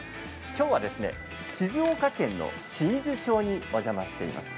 きょうは静岡県の清水町にお邪魔しています。